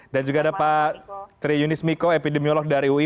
dan juga ada pak triyunis miko epidemiolog dari ui